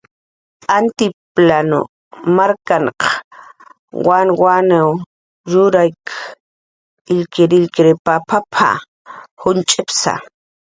"Altiplan markaq wanwan yurayk illkirillkir papap""a, junch'psa"